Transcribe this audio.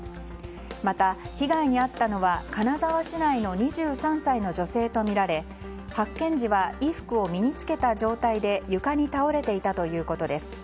また被害に遭ったのは金沢市内の２３歳の女性とみられ発見時は衣服を身に着けた状態で床に倒れていたということです。